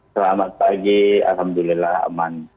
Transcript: selamat pagi alhamdulillah aman